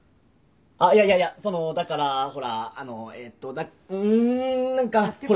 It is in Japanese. あっいやいやいやそのだからほらあのえっとん何かほら。